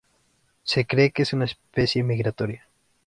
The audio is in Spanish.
Se cree que es una especie migratoria.